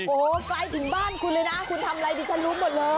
โอ้โหไกลถึงบ้านคุณเลยนะคุณทำอะไรดิฉันรู้หมดเลย